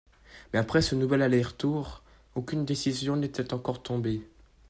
Mais après ce nouvel aller retour, aucune décision n’était encore tombée.